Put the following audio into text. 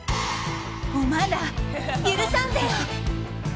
おまんら、許さんぜよ！